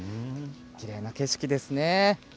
きれいな景色ですね。